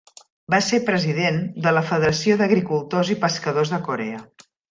Va ser president de la Federació d'Agricultors i Pescadors de Corea.